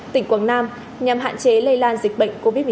tỉnh quảng nam nhằm hạn chế lây lan dịch bệnh covid một mươi chín